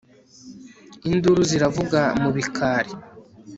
induru ziravuga mu bikari